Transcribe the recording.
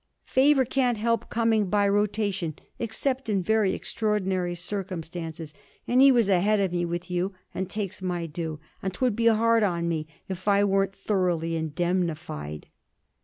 'Favour can't help coming by rotation, except in very extraordinary circumstances, and he was ahead of me with you, and takes my due, and 'twould be hard on me if I weren't thoroughly indemnified.'